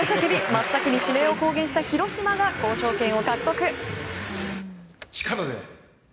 真っ先に指名を公言した広島が交渉権を獲得。